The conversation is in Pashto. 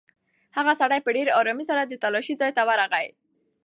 هغه سړی په ډېرې ارامۍ سره د تالاشۍ ځای ته ورغی.